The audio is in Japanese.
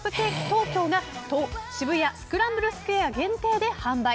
東京が渋谷スクランブルスクエア限定で販売。